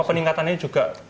apa peningkatannya juga